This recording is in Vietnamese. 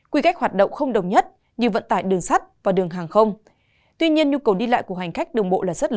quy cách hoạt động không đồng nhất như vận tải đường sát và đường hàng không